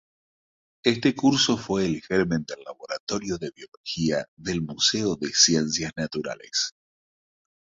Este curso fue el germen del "Laboratorio de Biología del Museo de Ciencias Naturales".